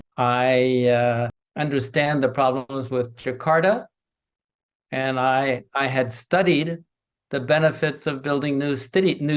saya mengerti masalahnya dengan jakarta dan saya telah belajar manfaatnya membangun kota baru